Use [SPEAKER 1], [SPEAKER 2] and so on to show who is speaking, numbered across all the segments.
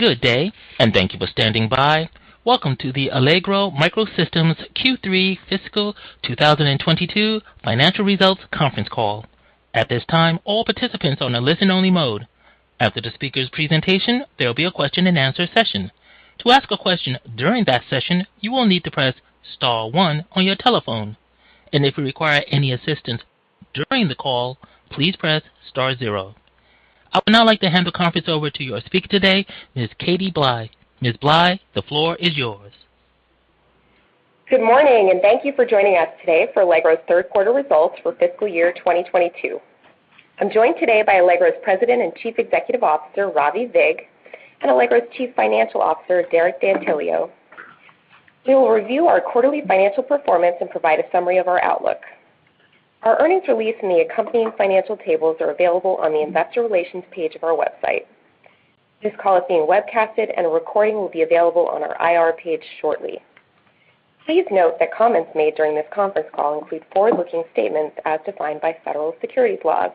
[SPEAKER 1] Good day, and thank you for standing by. Welcome to the Allegro MicroSystems Q3 Fiscal 2022 Financial Results Conference Call. At this time, all participants are on a listen-only mode. After the speaker's presentation, there'll be a question-and-answer session. To ask a question during that session, you will need to press star one on your telephone, and if you require any assistance during the call, please press star zero. I would now like to hand the conference over to your speaker today, Ms. Katie Blye. Ms. Blye, the floor is yours.
[SPEAKER 2] Good morning, and thank you for joining us today for Allegro's third quarter results for fiscal year 2022. I'm joined today by Allegro's President and Chief Executive Officer, Ravi Vig, and Allegro's Chief Financial Officer, Derek P. D'Antilio, who will review our quarterly financial performance and provide a summary of our outlook. Our earnings release and the accompanying financial tables are available on the investor relations page of our website. This call is being webcasted, and a recording will be available on our IR page shortly. Please note that comments made during this conference call include forward-looking statements as defined by federal securities laws.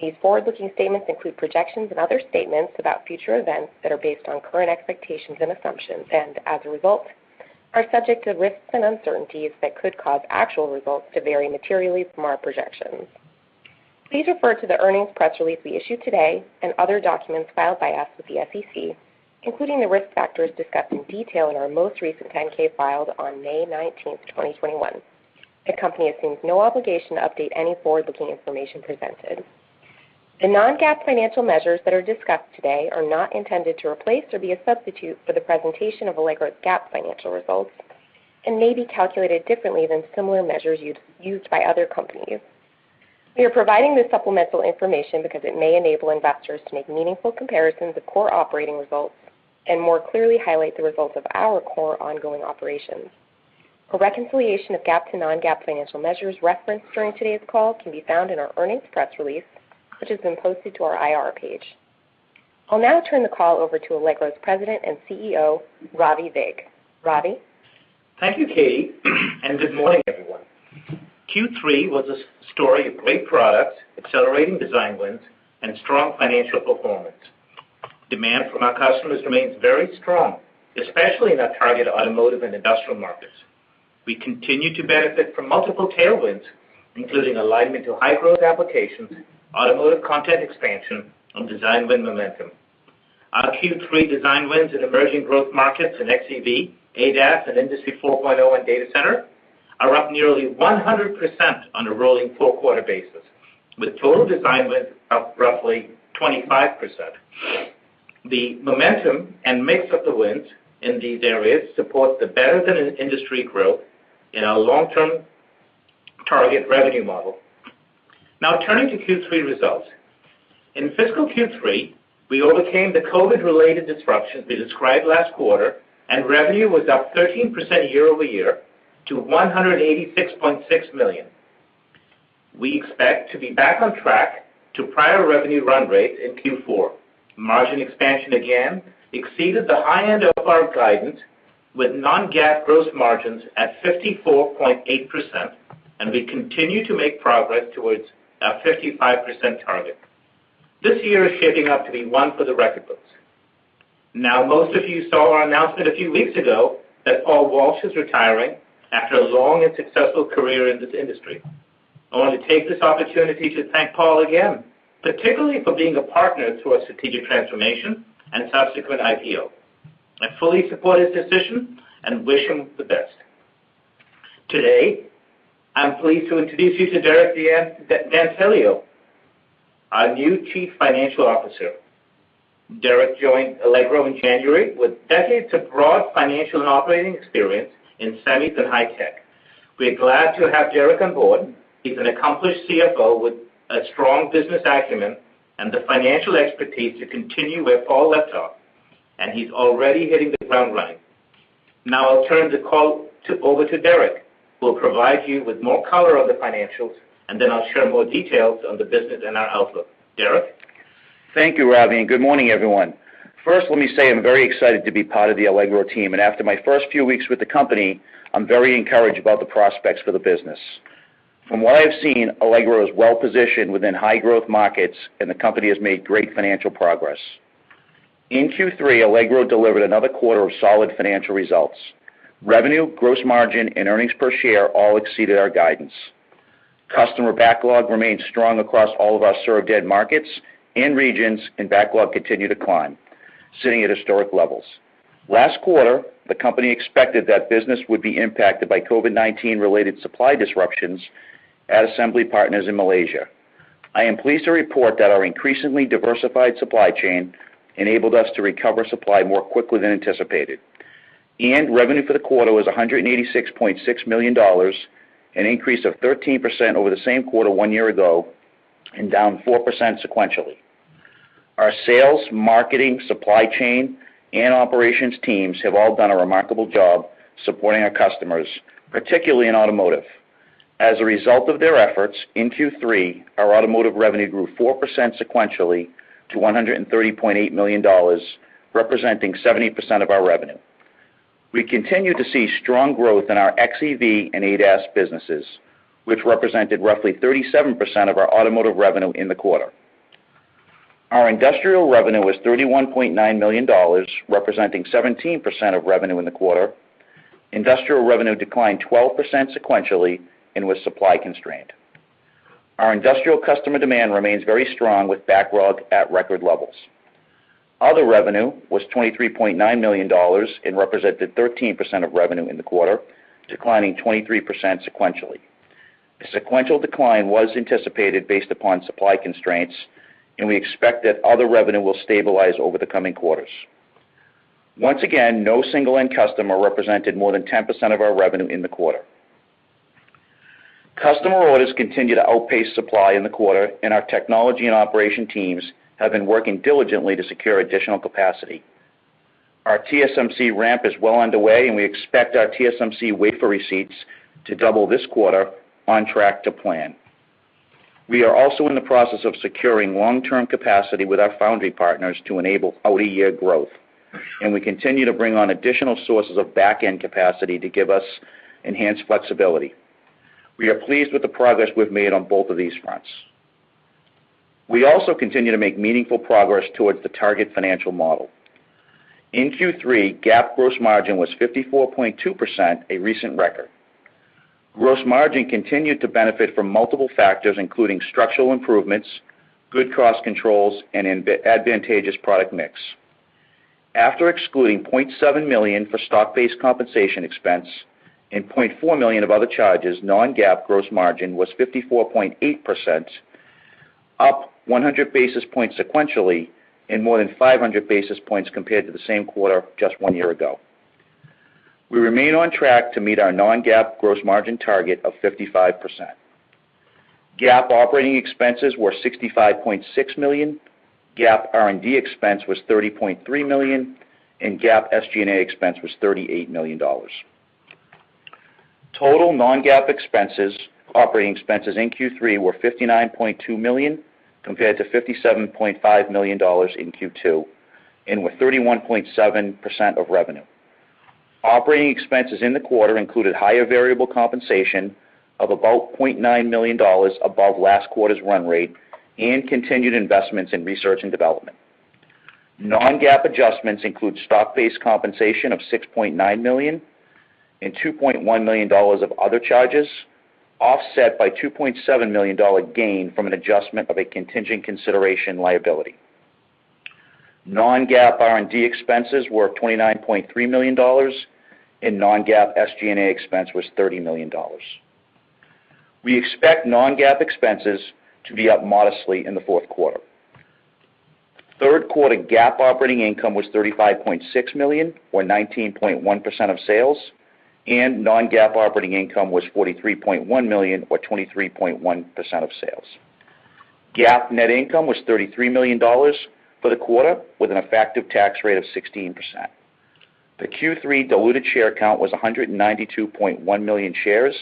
[SPEAKER 2] These forward-looking statements include projections and other statements about future events that are based on current expectations and assumptions, and as a result, are subject to risks and uncertainties that could cause actual results to vary materially from our projections. Please refer to the earnings press release we issued today and other documents filed by us with the SEC, including the risk factors discussed in detail in our most recent 10-K filed on May 19th, 2021. The company assumes no obligation to update any forward-looking information presented. The non-GAAP financial measures that are discussed today are not intended to replace or be a substitute for the presentation of Allegro's GAAP financial results, and may be calculated differently than similar measures used by other companies. We are providing this supplemental information because it may enable investors to make meaningful comparisons of core operating results and more clearly highlight the results of our core ongoing operations. A reconciliation of GAAP to non-GAAP financial measures referenced during today's call can be found in our earnings press release, which has been posted to our IR page. I'll now turn the call over to Allegro's President and CEO, Ravi Vig. Ravi?
[SPEAKER 3] Thank you, Katie, and good morning, everyone. Q3 was a story of great products, accelerating design wins, and strong financial performance. Demand from our customers remains very strong, especially in our target automotive and industrial markets. We continue to benefit from multiple tailwinds, including alignment to high growth applications, automotive content expansion, and design win momentum. Our Q3 design wins in emerging growth markets and xEV, ADAS, and Industry 4.0, and data center are up nearly 100% on a rolling four-quarter basis, with total design wins up roughly 25%. The momentum and mix of the wins in these areas supports the better-than-in-industry growth in our long-term target revenue model. Now turning to Q3 results. In fiscal Q3, we overcame the COVID-related disruptions we described last quarter, and revenue was up 13% year-over-year to $186.6 million. We expect to be back on track to prior revenue run rate in Q4. Margin expansion again exceeded the high end of our guidance with non-GAAP gross margins at 54.8%, and we continue to make progress towards our 55% target. This year is shaping up to be one for the record books. Now, most of you saw our announcement a few weeks ago that Paul Walsh is retiring after a long and successful career in this industry. I want to take this opportunity to thank Paul again, particularly for being a partner to our strategic transformation and subsequent IPO. I fully support his decision and wish him the best. Today, I'm pleased to introduce you to Derek D'Antilio, our new Chief Financial Officer. Derek joined Allegro in January with decades of broad financial and operating experience in semis and high tech. We're glad to have Derek on board. He's an accomplished CFO with a strong business acumen and the financial expertise to continue where Paul left off, and he's already hitting the ground running. Now I'll turn the call over to Derek, who will provide you with more color on the financials, and then I'll share more details on the business and our outlook. Derek?
[SPEAKER 4] Thank you, Ravi, and good morning, everyone. First, let me say I'm very excited to be part of the Allegro team, and after my first few weeks with the company, I'm very encouraged about the prospects for the business. From what I have seen, Allegro is well-positioned within high-growth markets, and the company has made great financial progress. In Q3, Allegro delivered another quarter of solid financial results. Revenue, gross margin, and earnings per share all exceeded our guidance. Customer backlog remains strong across all of our served end markets and regions, and backlog continued to climb, sitting at historic levels. Last quarter, the company expected that business would be impacted by COVID-19 related supply disruptions at assembly partners in Malaysia. I am pleased to report that our increasingly diversified supply chain enabled us to recover supply more quickly than anticipated, and revenue for the quarter was $186.6 million, an increase of 13% over the same quarter one year ago and down 4% sequentially. Our sales, marketing, supply chain, and operations teams have all done a remarkable job supporting our customers, particularly in automotive. As a result of their efforts, in Q3, our automotive revenue grew 4% sequentially to $130.8 million, representing 70% of our revenue. We continue to see strong growth in our xEV and ADAS businesses, which represented roughly 37% of our automotive revenue in the quarter. Our industrial revenue was $31.9 million, representing 17% of revenue in the quarter. Industrial revenue declined 12% sequentially and was supply constrained. Our industrial customer demand remains very strong with backlog at record levels. Other revenue was $23.9 million and represented 13% of revenue in the quarter, declining 23% sequentially. The sequential decline was anticipated based upon supply constraints, and we expect that other revenue will stabilize over the coming quarters. Once again, no single end customer represented more than 10% of our revenue in the quarter. Customer orders continued to outpace supply in the quarter, and our technology and operation teams have been working diligently to secure additional capacity. Our TSMC ramp is well underway, and we expect our TSMC wafer receipts to double this quarter on track to plan. We are also in the process of securing long-term capacity with our foundry partners to enable out-year growth, and we continue to bring on additional sources of back-end capacity to give us enhanced flexibility. We are pleased with the progress we've made on both of these fronts. We also continue to make meaningful progress towards the target financial model. In Q3, GAAP gross margin was 54.2%, a recent record. Gross margin continued to benefit from multiple factors, including structural improvements, good cost controls, and an advantageous product mix. After excluding $0.7 million for stock-based compensation expense and $0.4 million of other charges, non-GAAP gross margin was 54.8%, up 100 basis points sequentially and more than 500 basis points compared to the same quarter just one year ago. We remain on track to meet our non-GAAP gross margin target of 55%. GAAP operating expenses were $65.6 million, GAAP R&D expense was $30.3 million, and GAAP SG&A expense was $38 million. Total non-GAAP expenses, operating expenses in Q3 were $59.2 million compared to $57.5 million in Q2 and were 31.7% of revenue. Operating expenses in the quarter included higher variable compensation of about $0.9 million above last quarter's run rate and continued investments in research and development. Non-GAAP adjustments include stock-based compensation of $6.9 million and $2.1 million of other charges, offset by $2.7 million gain from an adjustment of a contingent consideration liability. Non-GAAP R&D expenses were $29.3 million, and non-GAAP SG&A expense was $30 million. We expect non-GAAP expenses to be up modestly in the fourth quarter. Third quarter GAAP operating income was $35.6 million or 19.1% of sales, and non-GAAP operating income was $43.1 million or 23.1% of sales. GAAP net income was $33 million for the quarter with an effective tax rate of 16%. The Q3 diluted share count was $192.1 million shares,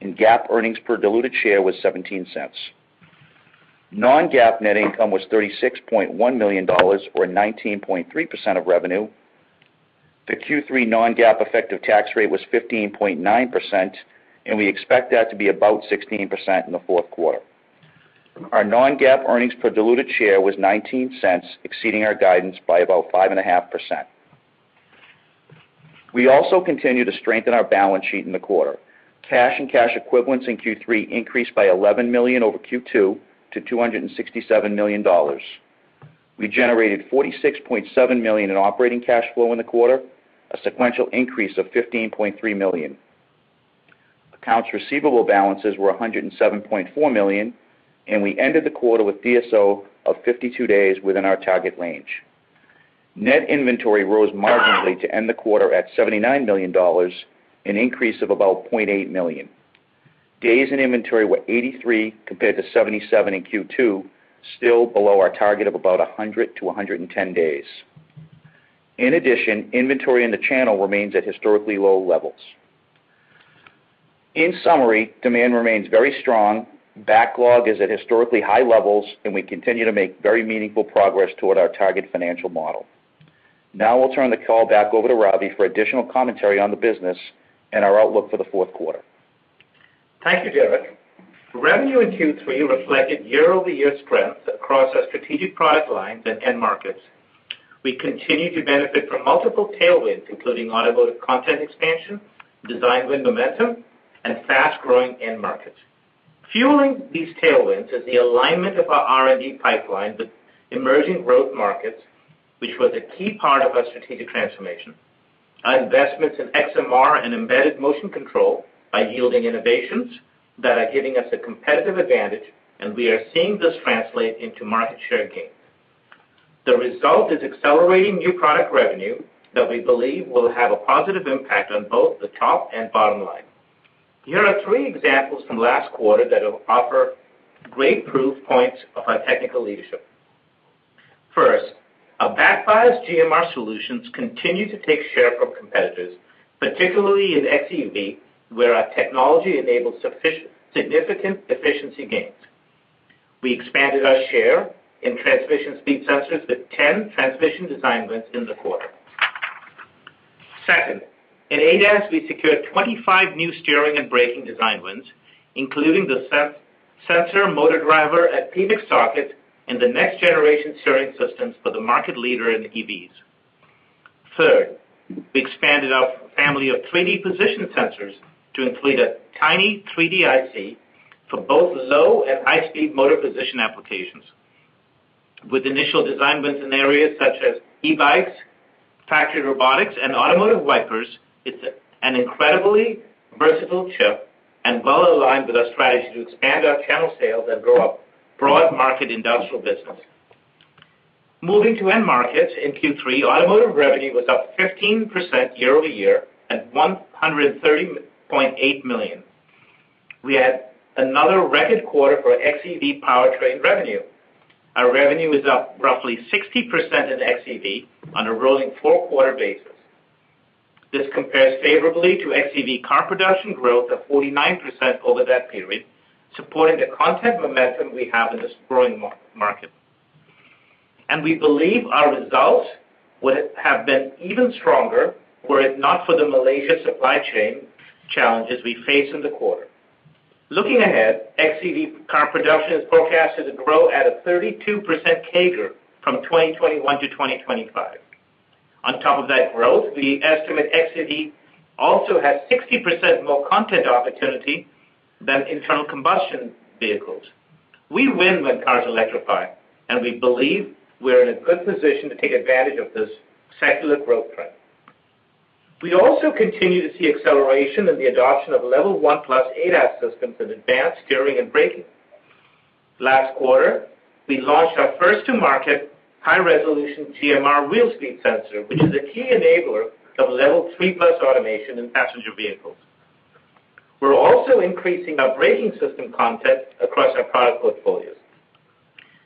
[SPEAKER 4] and GAAP earnings per diluted share was $0.17. Non-GAAP net income was $36.1 million or 19.3% of revenue. The Q3 non-GAAP effective tax rate was 15.9%, and we expect that to be about 16% in the fourth quarter. Our non-GAAP earnings per diluted share was $0.19, exceeding our guidance by about 5.5%. We also continue to strengthen our balance sheet in the quarter. Cash and cash equivalents in Q3 increased by $11 million over Q2 to $267 million. We generated $46.7 million in operating cash flow in the quarter, a sequential increase of $15.3 million. Accounts receivable balances were $107.4 million, and we ended the quarter with DSO of 52 days within our target range. Net inventory rose marginally to end the quarter at $79 million, an increase of about $0.8 million. Days in inventory were 83 compared to 77 in Q2, still below our target of about 100 to 110 days. In addition, inventory in the channel remains at historically low levels. In summary, demand remains very strong, backlog is at historically high levels, and we continue to make very meaningful progress toward our target financial model. Now, I'll turn the call back over to Ravi for additional commentary on the business and our outlook for the fourth quarter.
[SPEAKER 3] Thank you, Derek. Revenue in Q3 reflected year-over-year strength across our strategic product lines and end markets. We continue to benefit from multiple tailwinds, including automotive content expansion, design win momentum, and fast-growing end markets. Fueling these tailwinds is the alignment of our R&D pipeline with emerging growth markets, which was a key part of our strategic transformation. Our investments in XMR and embedded motion control are yielding innovations that are giving us a competitive advantage, and we are seeing this translate into market share gains. The result is accelerating new product revenue that we believe will have a positive impact on both the top and bottom line. Here are three examples from last quarter that offer great proof points of our technical leadership. First, our back-biased GMR solutions continue to take share from competitors, particularly in xEV, where our technology enables significant efficiency gains. We expanded our share in transmission speed sensors with 10 transmission design wins in the quarter. Second, in ADAS, we secured 25 new steering and braking design wins, including the sensor motor driver at PVOC socket and the next generation steering systems for the market leader in the xEVs. Third, we expanded our family of 3D position sensors to include a tiny 3D IC for both low and high speed motor position applications. With initial design wins in areas such as e-bikes, factory robotics, and automotive wipers, it's an incredibly versatile chip and well aligned with our strategy to expand our channel sales and grow our broad market industrial business. Moving to end markets, in Q3, automotive revenue was up 15% year-over-year at $130.8 million. We had another record quarter for xEV powertrain revenue. Our revenue is up roughly 60% in xEV on a rolling four-quarter basis. This compares favorably to xEV car production growth of 49% over that period, supporting the content momentum we have in this growing market. We believe our results would have been even stronger were it not for the Malaysia supply chain challenges we faced in the quarter. Looking ahead, xEV car production is forecasted to grow at a 32% CAGR from 2021 to 2025. On top of that growth, we estimate xEV also has 60% more content opportunity than internal combustion vehicles. We win when cars electrify, and we believe we're in a good position to take advantage of this secular growth trend. We also continue to see acceleration in the adoption of Level 1+ ADAS systems in advanced steering and braking. Last quarter, we launched our first-to-market high-resolution TMR wheel speed sensor, which is a key enabler of Level 3+ automation in passenger vehicles. We're also increasing our braking system content across our product portfolios.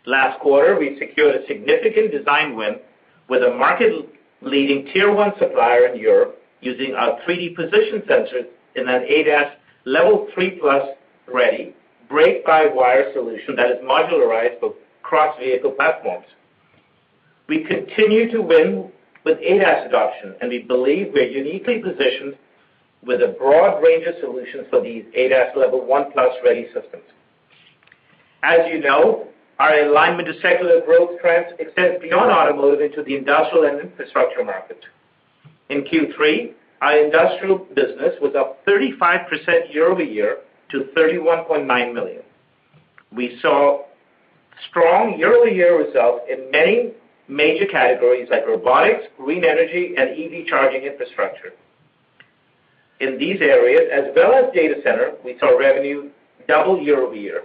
[SPEAKER 3] Last quarter, we secured a significant design win with a market-leading Tier 1 supplier in Europe using our 3D position sensors in an ADAS Level 3+ ready brake-by-wire solution that is modularized for cross-vehicle platforms. We continue to win with ADAS adoption, and we believe we're uniquely positioned with a broad range of solutions for these ADAS Level 1+ ready systems. As you know, our alignment to secular growth trends extends beyond automotive into the industrial and infrastructure market. In Q3, our industrial business was up 35% year-over-year to $31.9 million. We saw strong year-over-year results in many major categories like robotics, green energy, and EV charging infrastructure. In these areas, as well as data center, we saw revenue double year-over-year.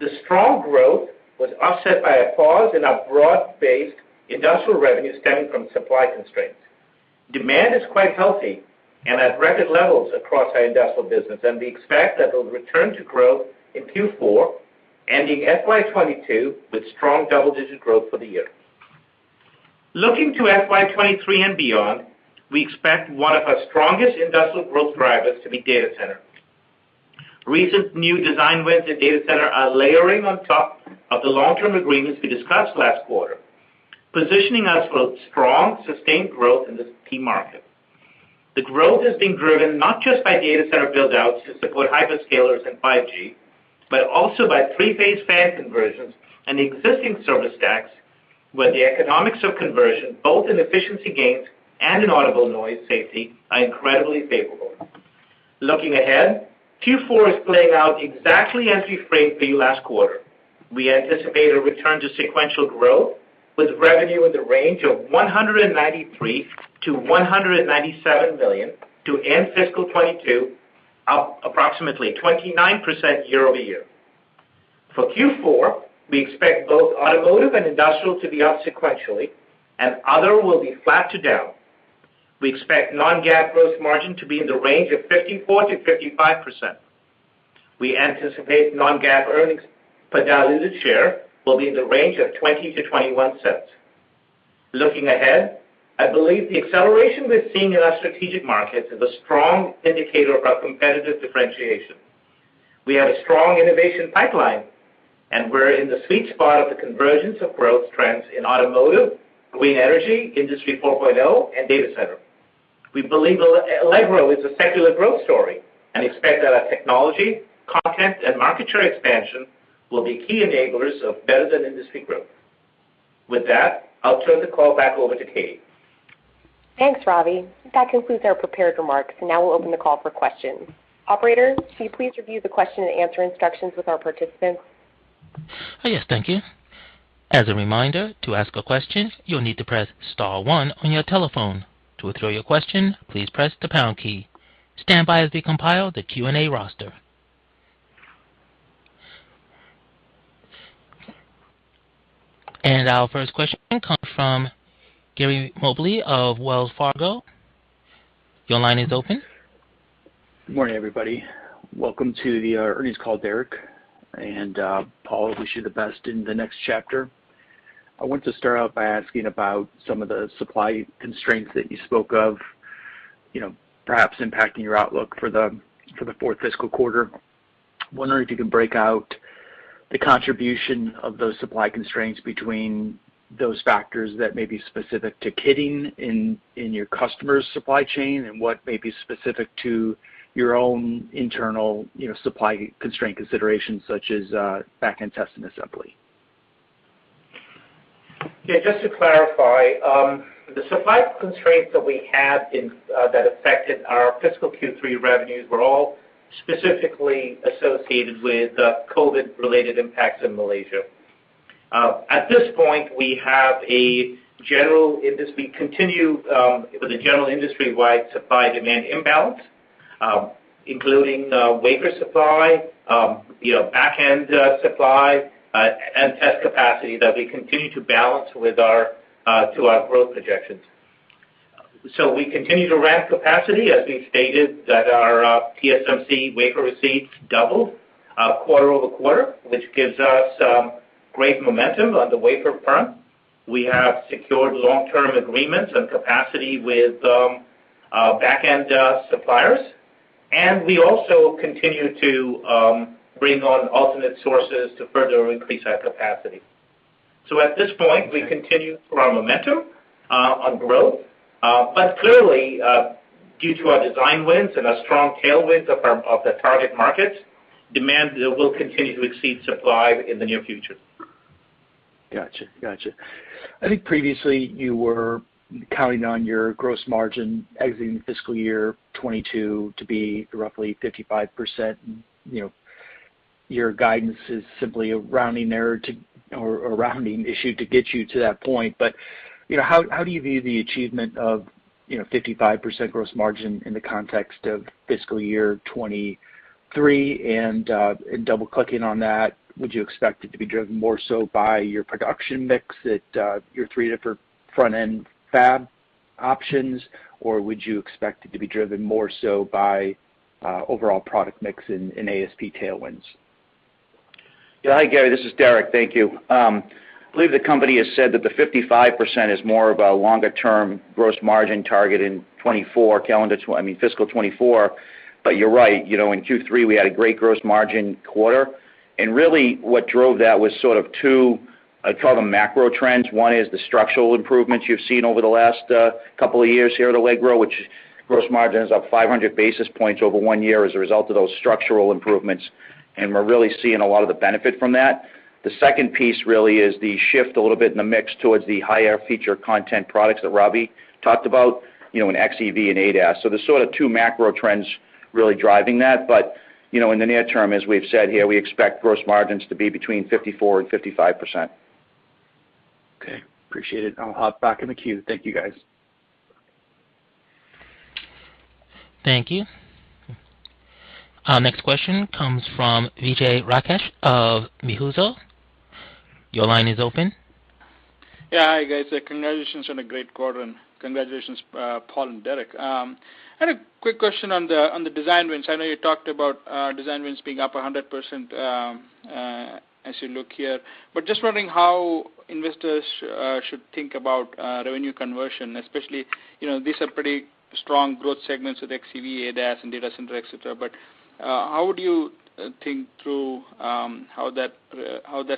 [SPEAKER 3] The strong growth was offset by a pause in our broad-based industrial revenue stemming from supply constraints. Demand is quite healthy and at record levels across our industrial business, and we expect that it'll return to growth in Q4, ending FY 2022 with strong double-digit growth for the year. Looking to FY 2023 and beyond, we expect one of our strongest industrial growth drivers to be data center. Recent new design wins in data center are layering on top of the long-term agreements we discussed last quarter, positioning us for strong, sustained growth in this key market. The growth is being driven not just by data center build outs to support hyperscalers and 5G, but also by three-phase fan conversions and existing service stacks, where the economics of conversion, both in efficiency gains and in audible noise safety, are incredibly favorable. Looking ahead, Q4 is playing out exactly as we framed for you last quarter. We anticipate a return to sequential growth with revenue in the range of $193 million-$197 million to end FY 2022, up approximately 29% year-over-year. For Q4, we expect both automotive and industrial to be up sequentially, and other will be flat to down. We expect non-GAAP gross margin to be in the range of 54%-55%. We anticipate non-GAAP earnings per diluted share will be in the range of $0.20-$0.21. Looking ahead, I believe the acceleration we're seeing in our strategic markets is a strong indicator of our competitive differentiation. We have a strong innovation pipeline, and we're in the sweet spot of the convergence of growth trends in Automotive, Green Energy, Industry 4.0, and Data Center. We believe Allegro is a secular growth story and expect that our technology, content, and market share expansion will be key enablers of better than industry growth. With that, I'll turn the call back over to Katie.
[SPEAKER 2] Thanks, Ravi. That concludes our prepared remarks. Now we'll open the call for questions. Operator, could you please review the question and answer instructions with our participants?
[SPEAKER 1] Yes. Thank you. As a reminder, to ask a question, you'll need to press star one on your telephone. To withdraw your question, please press the pound key. Stand by as we compile the Q&A roster. Our first question comes from Gary Mobley of Wells Fargo. Your line is open.
[SPEAKER 5] Good morning, everybody. Welcome to the earnings call, Derek. Paul, wish you the best in the next chapter. I want to start out by asking about some of the supply constraints that you spoke of. You know, perhaps impacting your outlook for the fourth fiscal quarter. Wondering if you can break out the contribution of those supply constraints between those factors that may be specific to kitting in your customers' supply chain and what may be specific to your own internal, you know, supply constraint considerations such as back-end test and assembly.
[SPEAKER 3] Yeah. Just to clarify, the supply constraints that we had in that affected our fiscal Q3 revenues were all specifically associated with COVID-related impacts in Malaysia. At this point, we continue with the general industry-wide supply-demand imbalance, including wafer supply, you know, back-end supply and test capacity that we continue to balance with our growth projections. We continue to ramp capacity, as we stated that our TSMC wafer receipts doubled quarter-over-quarter, which gives us great momentum on the wafer front. We have secured long-term agreements and capacity with back-end suppliers. We also continue to bring on alternate sources to further increase our capacity. At this point, we continue our momentum on growth. Clearly, due to our design wins and our strong tailwinds of the target markets, demand will continue to exceed supply in the near future.
[SPEAKER 5] Gotcha. I think previously you were counting on your gross margin exiting fiscal year 2022 to be roughly 55%. You know, your guidance is simply a rounding error to or a rounding issue to get you to that point. You know, how do you view the achievement of, you know, 55% gross margin in the context of fiscal year 2023? Double-clicking on that, would you expect it to be driven more so by your production mix at your three different front-end fab options? Or would you expect it to be driven more so by overall product mix and ASP tailwinds?
[SPEAKER 4] Yeah. Hi, Gary, this is Derek. Thank you. I believe the company has said that the 55% is more of a longer-term gross margin target in fiscal 2024. But you're right. You know, in Q3, we had a great gross margin quarter. Really what drove that was sort of two, I'd call them macro trends. One is the structural improvements you've seen over the last couple of years here at Allegro, which gross margin is up 500 basis points over one year as a result of those structural improvements, and we're really seeing a lot of the benefit from that. The second piece really is the shift a little bit in the mix towards the higher feature content products that Ravi talked about, you know, in xEV and ADAS. There's sort of two macro trends really driving that. You know, in the near term, as we've said here, we expect gross margins to be between 54% and 55%.
[SPEAKER 5] Okay. Appreciate it. I'll hop back in the queue. Thank you, guys.
[SPEAKER 1] Thank you. Our next question comes from Vijay Rakesh of Mizuho. Your line is open.
[SPEAKER 6] Yeah. Hi, guys. Congratulations on a great quarter, and congratulations, Paul and Derek. I had a quick question on the design wins. I know you talked about design wins being up 100% as you look here. Just wondering how investors should think about revenue conversion, especially these are pretty strong growth segments with xEV, ADAS, and data center, et cetera. How would you think through how that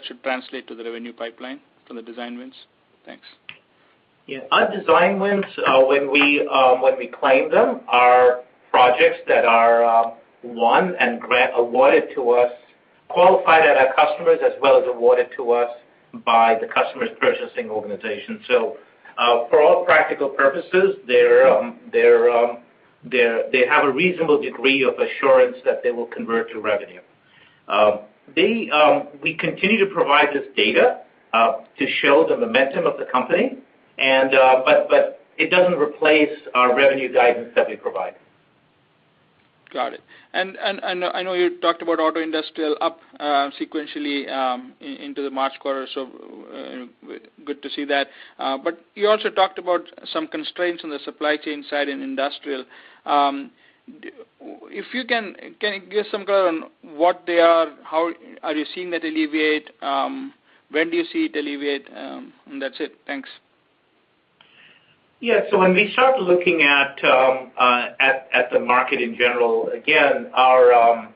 [SPEAKER 6] should translate to the revenue pipeline from the design wins? Thanks.
[SPEAKER 3] Yeah. Our design wins, when we claim them, are projects that are won and awarded to us, qualified at our customers, as well as awarded to us by the customer's purchasing organization. For all practical purposes, they have a reasonable degree of assurance that they will convert to revenue. We continue to provide this data to show the momentum of the company and, but it doesn't replace our revenue guidance that we provide.
[SPEAKER 6] Got it. I know you talked about auto, industrial up sequentially into the March quarter, so good to see that. You also talked about some constraints on the supply chain side in industrial. If you can give some color on what they are? How are you seeing that alleviate? When do you see it alleviate? That's it. Thanks.
[SPEAKER 3] Yeah. When we start looking at the market in general, again, our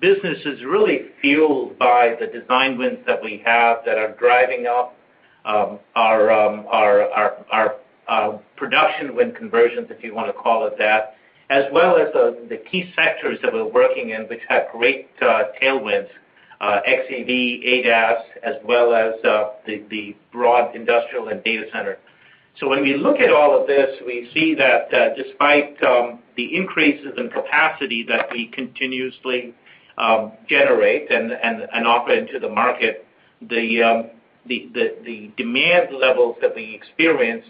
[SPEAKER 3] business is really fueled by the design wins that we have that are driving up our production win conversions, if you wanna call it that, as well as the key sectors that we're working in which have great tailwinds, xEV, ADAS, as well as the broad industrial and data center. When we look at all of this, we see that, despite the increases in capacity that we continuously generate and offer into the market, the demand levels that we experience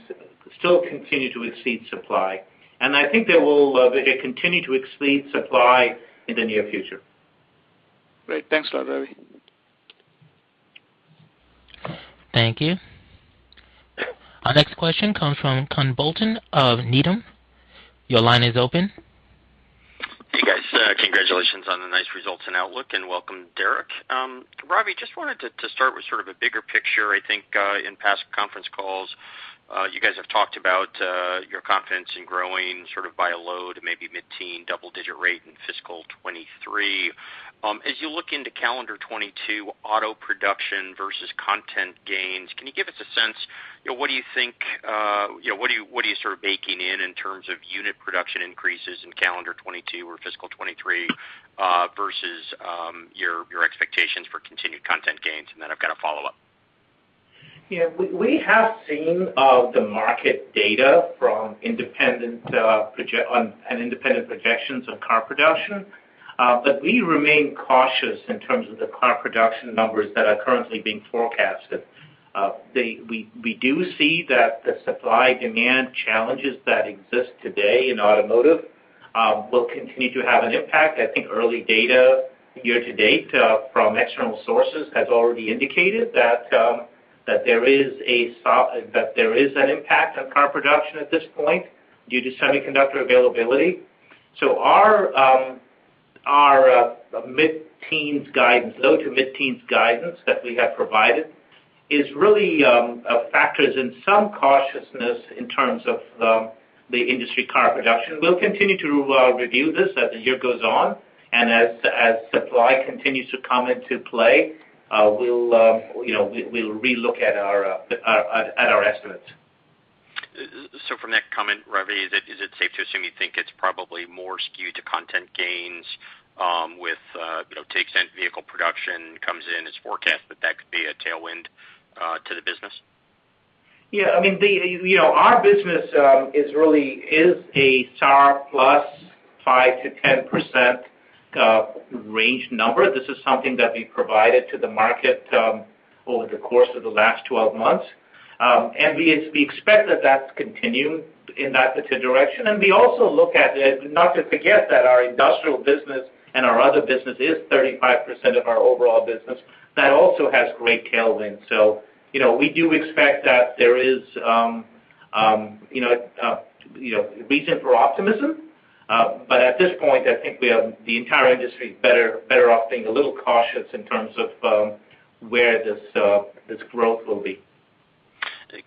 [SPEAKER 3] still continue to exceed supply. I think they will continue to exceed supply in the near future.
[SPEAKER 6] Great. Thanks a lot, Ravi.
[SPEAKER 1] Thank you. Our next question comes from Quinn Bolton of Needham. Your line is open.
[SPEAKER 7] Hey, guys, congratulations on the nice results and outlook, and welcome, Derek. Ravi, just wanted to start with sort of a bigger picture. I think in past conference calls you guys have talked about your confidence in growing sort of by a lot, maybe mid-teen double-digit rate in fiscal 2023. As you look into calendar 2022 auto production versus content gains, can you give us a sense, you know, what do you think, you know, what are you sort of baking in in terms of unit production increases in calendar 2022 or fiscal 2023 versus your expectations for continued content gains? Then I've got a follow-up.
[SPEAKER 3] We have seen the market data from independent projections of car production, but we remain cautious in terms of the car production numbers that are currently being forecasted. We do see that the supply-demand challenges that exist today in automotive will continue to have an impact. I think early data year to date from external sources has already indicated that there is an impact on car production at this point due to semiconductor availability. Our mid-teens guidance, low to mid-teens guidance that we have provided really factors in some cautiousness in terms of the industry car production. We'll continue to review this as the year goes on, and as supply continues to come into play, we'll relook at our estimates.
[SPEAKER 7] From that comment, Ravi, is it safe to assume you think it's probably more skewed to content gains, with you know, to the extent vehicle production comes in as forecasted, that could be a tailwind to the business?
[SPEAKER 3] Yeah, I mean, the you know our business is really a SAR + 5%-10% range number. This is something that we provided to the market over the course of the last 12 months. We expect that to continue in that direction. We also look at it, not to forget that our industrial business and our other business is 35% of our overall business. That also has great tailwinds. You know, we do expect that there is you know you know reason for optimism. At this point, I think the entire industry is better off being a little cautious in terms of where this growth will be.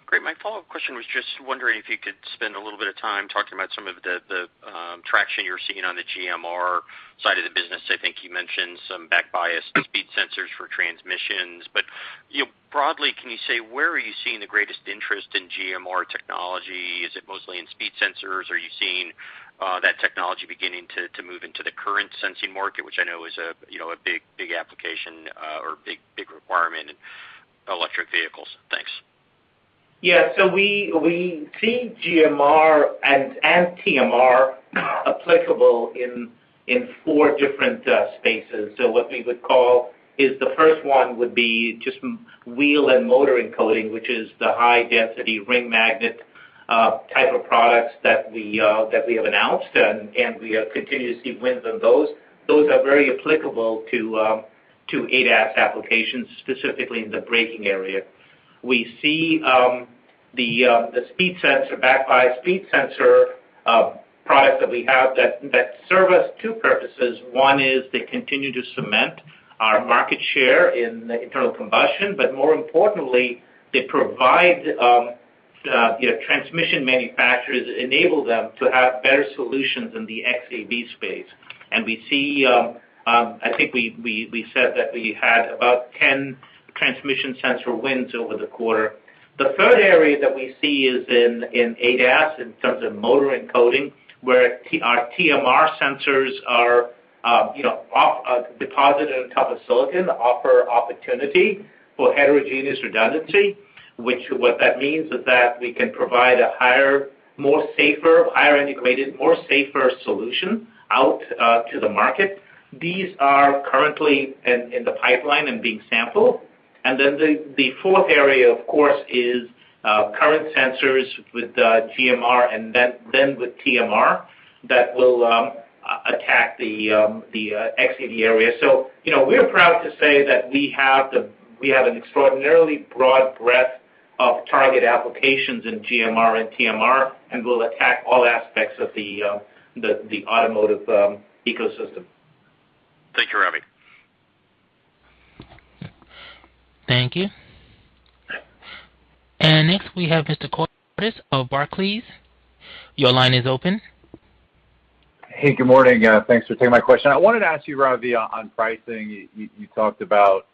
[SPEAKER 7] Great. My follow-up question was just wondering if you could spend a little bit of time talking about some of the traction you're seeing on the GMR side of the business. I think you mentioned some back-biased speed sensors for transmissions. But you know, broadly, can you say where are you seeing the greatest interest in GMR technology? Is it mostly in speed sensors? Are you seeing that technology beginning to move into the current sensing market, which I know is a you know, a big, big application or big, big requirement in electric vehicles? Thanks.
[SPEAKER 3] Yeah. We see GMR and TMR applicable in four different spaces. What we would call is the first one would be just wheel and motor encoding, which is the high-density ring magnet type of products that we have announced and we continue to see wins on those. Those are very applicable to ADAS applications, specifically in the braking area. We see the back-biased speed sensor product that we have that serve two purposes. One is they continue to cement our market share in internal combustion, but more importantly, they provide, you know, transmission manufacturers, enable them to have better solutions in the xEV space. We see, I think we said that we had about 10 transmission sensor wins over the quarter. The third area that we see is in ADAS in terms of motor encoding, where our TMR sensors are, you know, deposited on top of silicon offer opportunity for heterogeneous redundancy, which what that means is that we can provide a higher, more safer, higher integrated, more safer solution out to the market. These are currently in the pipeline and being sampled. Then the fourth area, of course, is current sensors with GMR and then with TMR that will attack the xEV area. You know, we're proud to say that we have an extraordinarily broad breadth of target applications in GMR and TMR, and we'll attack all aspects of the automotive ecosystem.
[SPEAKER 7] Thank you, Ravi.
[SPEAKER 1] Thank you. Next, we have Blayne Curtis of Barclays. Your line is open.
[SPEAKER 8] Hey, good morning. Thanks for taking my question. I wanted to ask you, Ravi, on pricing. You talked about,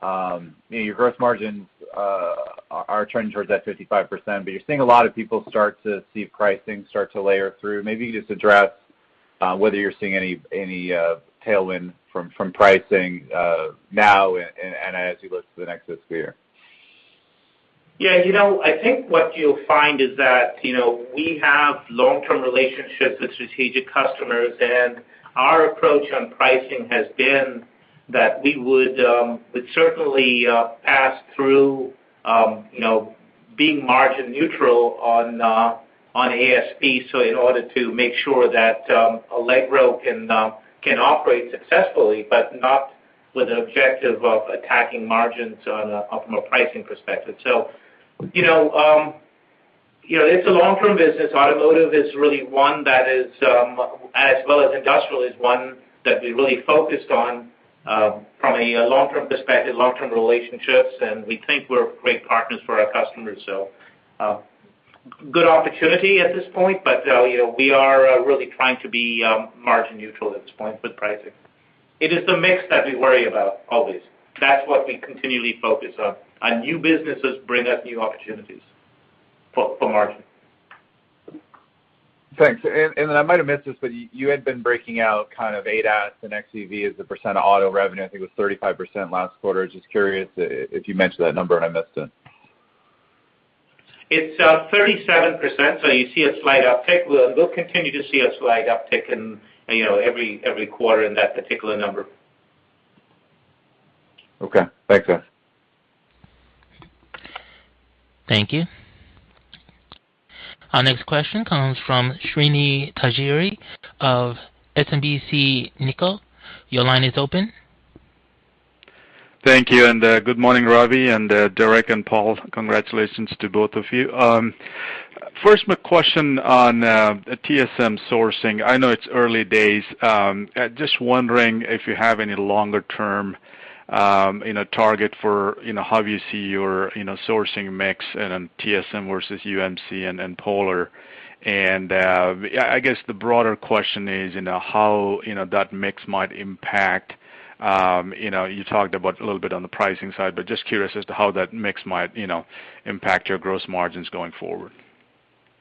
[SPEAKER 8] you know, your growth margins are trending towards that 55%, but you're seeing a lot of people start to see pricing start to layer through. Maybe just address whether you're seeing any tailwind from pricing now and as you look to the next fiscal year.
[SPEAKER 3] Yeah, you know, I think what you'll find is that, you know, we have long-term relationships with strategic customers, and our approach on pricing has been that we would certainly pass through, you know, being margin neutral on ASP, so in order to make sure that Allegro can operate successfully, but not with the objective of attacking margins from a pricing perspective. You know, it's a long-term business. Automotive is really one that is, as well as industrial, is one that we really focused on from a long-term perspective, long-term relationships, and we think we're great partners for our customers. So, good opportunity at this point, but, you know, we are really trying to be margin neutral at this point with pricing. It is the mix that we worry about always. That's what we continually focus on, and new businesses bring us new opportunities for margin.
[SPEAKER 8] Thanks. I might have missed this, but you had been breaking out kind of ADAS and xEV as a percent of auto revenue. I think it was 35% last quarter. Just curious if you mentioned that number, and I missed it.
[SPEAKER 3] It's 37%, so you see a slight uptick. We'll continue to see a slight uptick in, you know, every quarter in that particular number.
[SPEAKER 8] Okay. Thanks, guys.
[SPEAKER 1] Thank you. Our next question comes from Srini Pajjuri of SMBC Nikko. Your line is open.
[SPEAKER 9] Thank you. Good morning, Ravi, and Derek and Paul. Congratulations to both of you. First, my question on TSM sourcing. I know it's early days, just wondering if you have any longer term, you know, target for, you know, how you see your, you know, sourcing mix and TSM versus UMC and Polar. Yeah, I guess the broader question is, you know, how, you know, that mix might impact, you know, you talked about a little bit on the pricing side, but just curious as to how that mix might, you know, impact your gross margins going forward.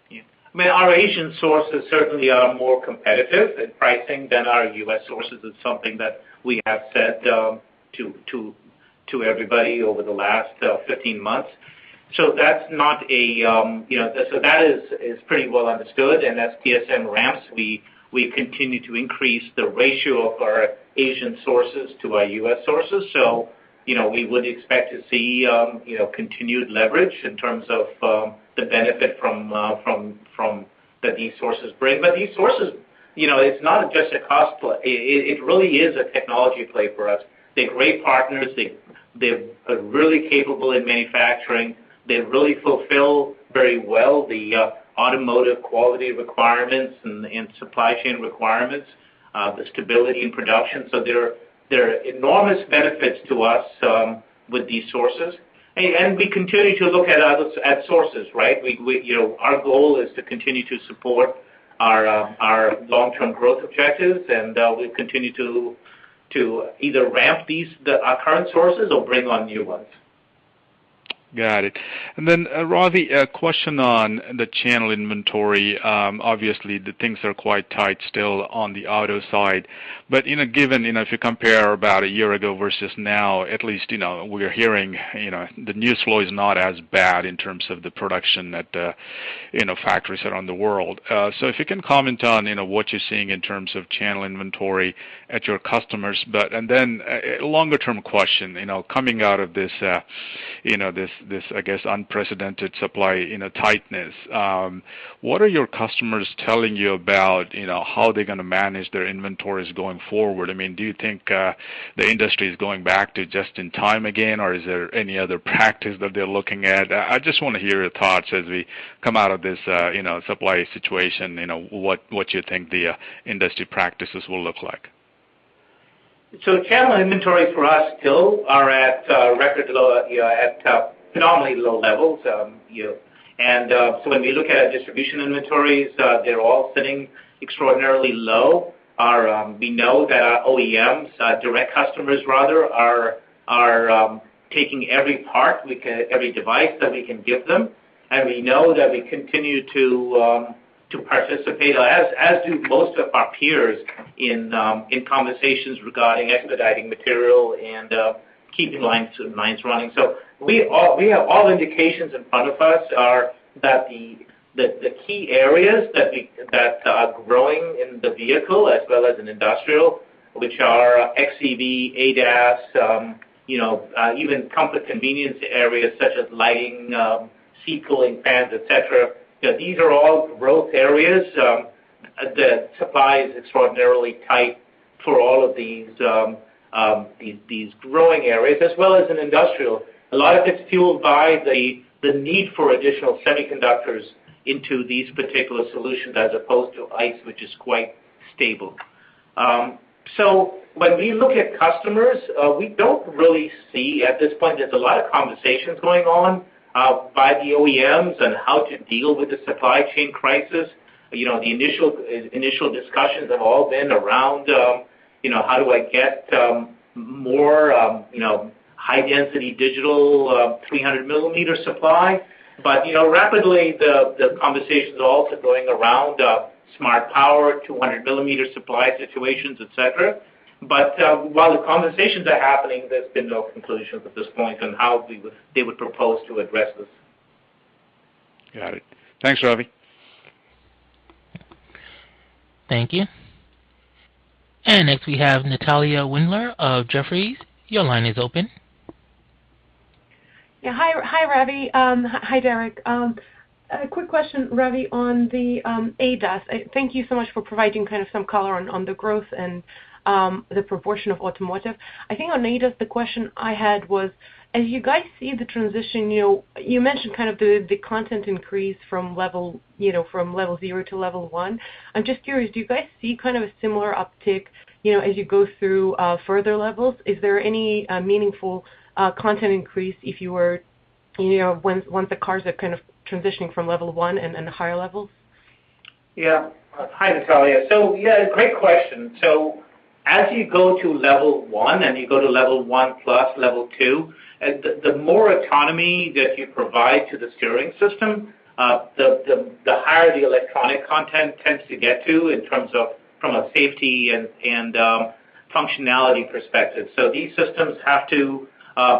[SPEAKER 3] Yeah. I mean, our Asian sources certainly are more competitive in pricing than our U.S. sources. It's something that we have said to everybody over the last 15 months. That is pretty well understood, and as TSMC ramps, we continue to increase the ratio of our Asian sources to our U.S. sources. You know, we would expect to see you know, continued leverage in terms of the benefit from these sources bring. These sources, you know, it's not just a cost play. It really is a technology play for us. They're great partners. They're really capable in manufacturing. They really fulfill very well the automotive quality requirements and supply chain requirements, the stability in production. There are enormous benefits to us with these sources. We continue to look at other sources, right? You know, our goal is to continue to support our long-term growth objectives, and we continue to either ramp these, our current sources or bring on new ones.
[SPEAKER 9] Got it. Ravi, a question on the channel inventory. Obviously, the things are quite tight still on the auto side. In a given, you know, if you compare about a year ago versus now, at least, you know, we are hearing, you know, the news flow is not as bad in terms of the production at, you know, factories around the world. If you can comment on, you know, what you're seeing in terms of channel inventory at your customers. A longer-term question, you know, coming out of this, you know, this, I guess, unprecedented supply, you know, tightness, what are your customers telling you about, you know, how they're gonna manage their inventories going forward? I mean, do you think the industry is going back to just in time again, or is there any other practice that they're looking at? I just wanna hear your thoughts as we come out of this, you know, supply situation, you know, what you think the industry practices will look like.
[SPEAKER 3] Channel inventories for us still are at record low, phenomenally low levels. When we look at our distribution inventories, they're all sitting extraordinarily low. We know that our OEMs, direct customers rather, are taking every part we can, every device that we can give them, and we know that we continue to participate, as do most of our peers in conversations regarding expediting material and keeping lines running. We have all indications in front of us are that the key areas that are growing in the vehicle as well as in industrial, which are xEV, ADAS, even comfort convenience areas such as lighting, seat cooling fans, et cetera, these are all growth areas that supply is extraordinarily tight for all of these growing areas as well as in industrial. A lot of it's fueled by the need for additional semiconductors into these particular solutions as opposed to ICE, which is quite stable. When we look at customers, we don't really see at this point, there's a lot of conversations going on by the OEMs on how to deal with the supply chain crisis. You know, the initial discussions have all been around, you know, how do I get more, you know, high density digital, 300 millimeter supply? You know, rapidly the conversations are also going around, smart power, 200 millimeter supply situations, et cetera. While the conversations are happening, there's been no conclusions at this point on how they would propose to address this.
[SPEAKER 9] Got it. Thanks, Ravi.
[SPEAKER 1] Thank you. Next we have Natalia Winkler of Jefferies. Your line is open.
[SPEAKER 10] Yeah. Hi, Ravi. Hi, Derek. A quick question, Ravi, on the ADAS. Thank you so much for providing kind of some color on the growth and the proportion of automotive. I think on ADAS, the question I had was, as you guys see the transition, you mentioned kind of the content increase from level, you know, from Level 0 to Level 1. I'm just curious, do you guys see kind of a similar uptick, you know, as you go through further levels? Is there any meaningful content increase if you were, you know, when the cars are kind of transitioning from Level 1 and then the higher levels?
[SPEAKER 3] Yeah. Hi, Natalia. Yeah, great question. As you go to Level 1, and you go to Level 1+ Level 2, the more autonomy that you provide to the steering system, the higher the electronic content tends to get to in terms of from a safety and functionality perspective. These systems have to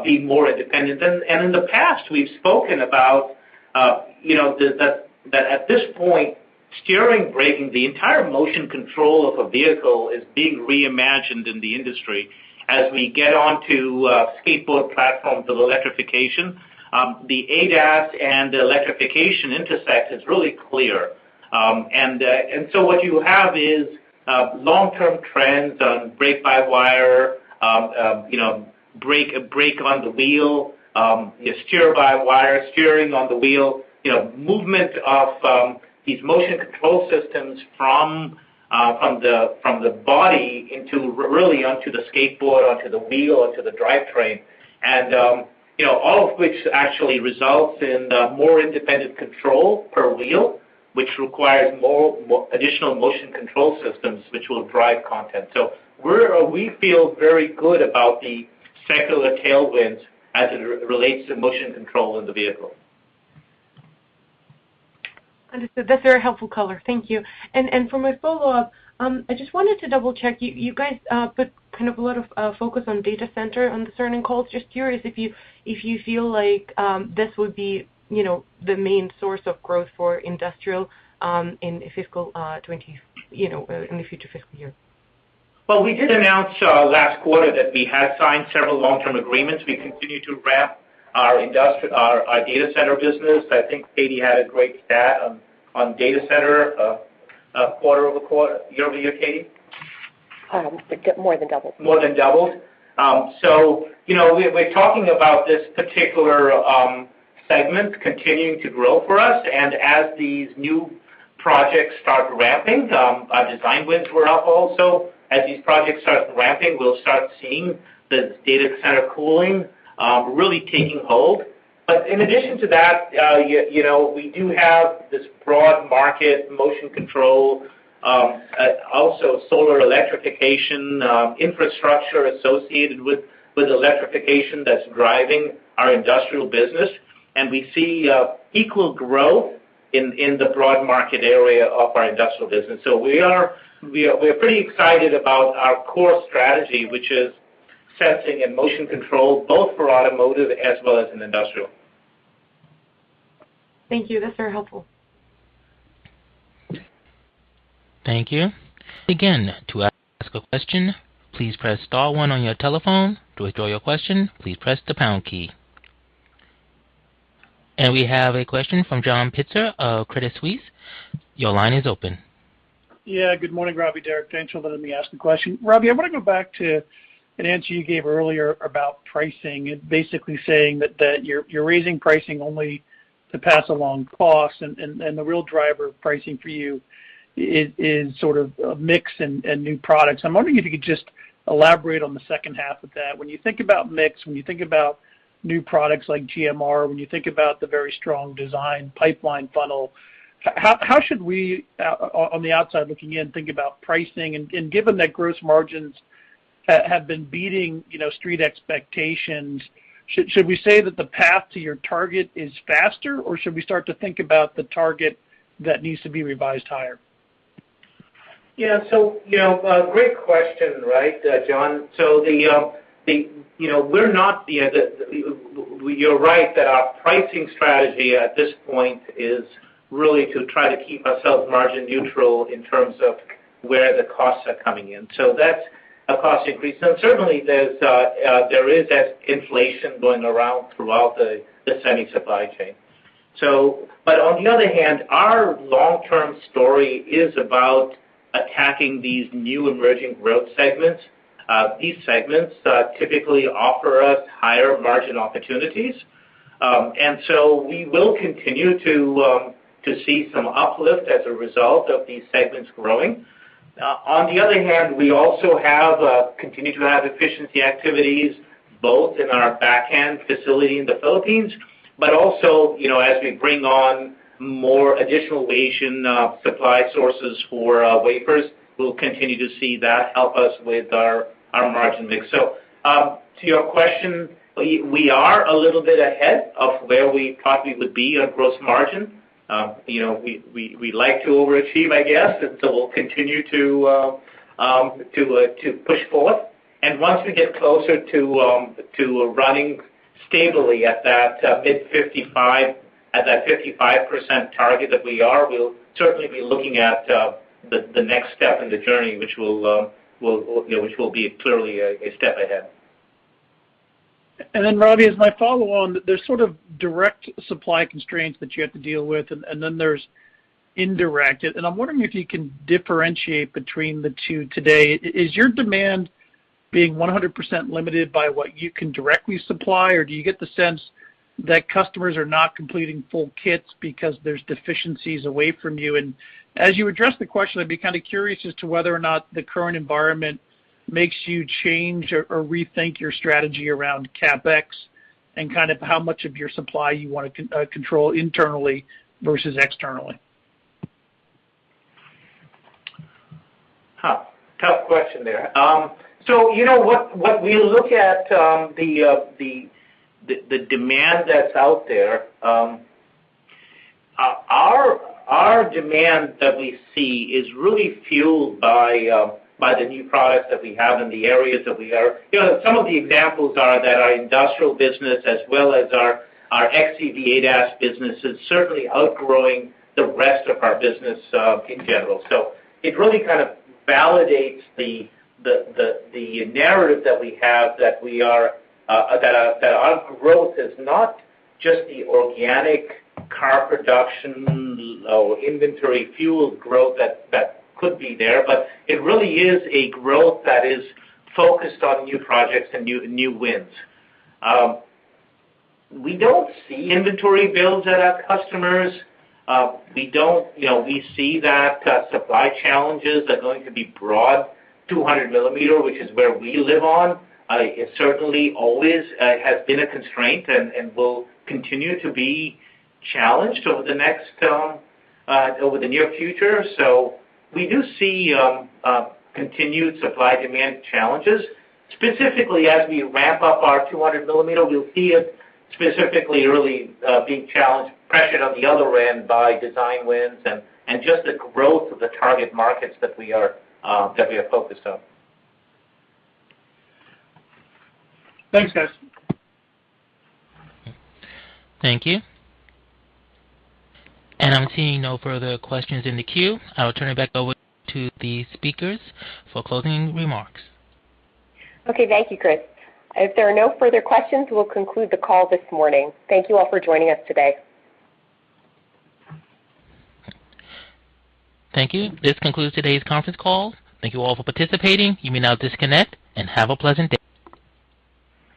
[SPEAKER 3] be more independent. In the past, we've spoken about you know that at this point, steering, braking, the entire motion control of a vehicle is being reimagined in the industry as we get onto a skateboard platform for the electrification. The ADAS and the electrification intersect is really clear. What you have is long-term trends on brake-by-wire, you know, brake-on-the-wheel, steer-by-wire, steering-on-the-wheel, you know, movement of these motion control systems from the body into really onto the skateboard, onto the wheel, onto the drivetrain. You know, all of which actually results in more independent control per wheel, which requires additional motion control systems, which will drive content. We feel very good about the secular tailwinds as it relates to motion control in the vehicle.
[SPEAKER 10] Understood. That's very helpful color. Thank you. For my follow-up, I just wanted to double-check. You guys put kind of a lot of focus on data center on the earnings calls. Just curious if you feel like this would be, you know, the main source of growth for industrial in fiscal in the future fiscal year.
[SPEAKER 3] Well, we did announce last quarter that we had signed several long-term agreements. We continue to ramp our data center business. I think Katie had a great stat on data center year-over-year, Katie?
[SPEAKER 2] It did more than double.
[SPEAKER 3] More than doubled. You know, we're talking about this particular segment continuing to grow for us. As these new projects start ramping, our design wins were up also. As these projects start ramping, we'll start seeing the data center cooling really taking hold. In addition to that, you know, we do have this broad market motion control, also solar electrification, infrastructure associated with electrification that's driving our industrial business. We see equal growth in the broad market area of our industrial business. We're pretty excited about our core strategy, which is sensing and motion control, both for Automotive as well as in Industrial.
[SPEAKER 10] Thank you. That's very helpful.
[SPEAKER 1] Thank you. Again, to ask a question, please press star one on your telephone. To withdraw your question, please press the pound key. We have a question from John Pitzer of Credit Suisse. Your line is open.
[SPEAKER 11] Yeah, good morning, Ravi, Derek. Thanks for letting me ask the question. Ravi, I wanna go back to an answer you gave earlier about pricing and basically saying that you're raising pricing only to pass along costs, and the real driver of pricing for you is sort of mix and new products. I'm wondering if you could just elaborate on the second half of that. When you think about mix, when you think about new products like GMR, when you think about the very strong design pipeline funnel, how should we on the outside looking in think about pricing? And given that gross margins have been beating, you know, street expectations, should we say that the path to your target is faster, or should we start to think about the target that needs to be revised higher?
[SPEAKER 3] You know, great question, right, John. You're right that our pricing strategy at this point is really to try to keep ourselves margin neutral in terms of where the costs are coming in. That's a cost increase. Now, certainly, there is that inflation going around throughout the semi supply chain. But on the other hand, our long-term story is about attacking these new emerging growth segments. These segments typically offer us higher margin opportunities. We will continue to see some uplift as a result of these segments growing. On the other hand, we continue to have efficiency activities both in our back-end facility in the Philippines, but also, you know, as we bring on more additional Asian supply sources for wafers, we'll continue to see that help us with our margin mix. To your question, we are a little bit ahead of where we probably would be on gross margin. You know, we like to overachieve, I guess. So we'll continue to push forth. Once we get closer to running stably at that mid-55, at that 55% target that we are, we'll certainly be looking at the next step in the journey, which will be clearly a step ahead.
[SPEAKER 11] Then Ravi, as my follow on, there's sort of direct supply constraints that you have to deal with, and then there's indirect. I'm wondering if you can differentiate between the two today. Is your demand being 100% limited by what you can directly supply? Or do you get the sense that customers are not completing full kits because there's deficiencies away from you? As you address the question, I'd be kinda curious as to whether or not the current environment makes you change or rethink your strategy around CapEx and kind of how much of your supply you wanna control internally versus externally.
[SPEAKER 3] Huh, tough question there. So, you know, what we look at, the demand that's out there, our demand that we see is really fueled by the new products that we have in the areas that we are. You know, some of the examples are that our industrial business as well as our xEV ADAS business is certainly outgrowing the rest of our business in general. So it really kind of validates the narrative that we have that we are, that our growth is not just the organic car production or inventory-fueled growth that could be there, but it really is a growth that is focused on new projects and new wins. We don't see inventory builds at our customers. We don't. You know, we see that supply challenges are going to be broad, 200 millimeter, which is where we live on. It certainly always has been a constraint and will continue to be challenged over the near future. We do see continued supply-demand challenges. Specifically as we ramp up our 200 millimeter, we'll see it specifically early being challenged, pressured on the other end by design wins and just the growth of the target markets that we are focused on.
[SPEAKER 11] Thanks, guys.
[SPEAKER 1] Thank you. I'm seeing no further questions in the queue. I will turn it back over to the speakers for closing remarks.
[SPEAKER 2] Okay. Thank you, Chris. If there are no further questions, we'll conclude the call this morning. Thank you all for joining us today.
[SPEAKER 1] Thank you. This concludes today's conference call. Thank you all for participating. You may now disconnect and have a pleasant day.